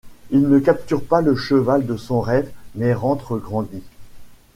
Il ne capture pas le cheval de son rêve mais rentre grandi.